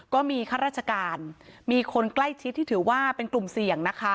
ก็มีข้าราชการมีคนใกล้ชิดที่ถือว่าเป็นกลุ่มเสี่ยงนะคะ